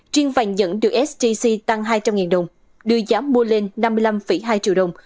chuyên vàng dẫn được stc tăng hai trăm linh đồng đưa giá mua lên năm mươi năm hai triệu đồng